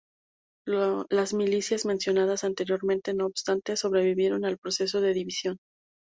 Las milicias mencionadas anteriormente, no obstante, sobrevivieron al proceso de división.